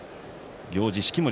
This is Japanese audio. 行司式守